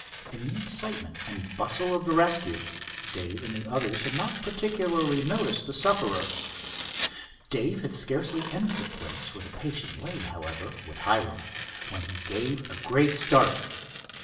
In the excitement and bustle of the rescue, Dave and the others had not particularly noticed the sufferer. Dave had scarcely entered the place where the patient lay, however, with Hiram, when he gave a great start.